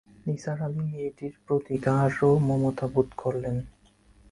নিসার আলি মেয়েটির প্রতি গাঢ় মমতা বোধ করলেন।